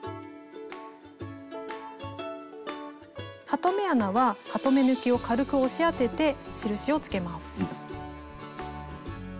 ハトメ穴はハトメ抜きを軽く押し当てて印をつけます。